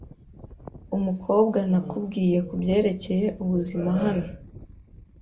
Umukobwa nakubwiye kubyerekeye ubuzima hano.